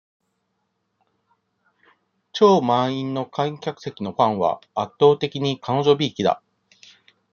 超満員の観客席のファンは、圧倒的に彼女びいきだ。